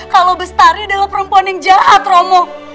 kalau bestari adalah perempuan yang jahat romo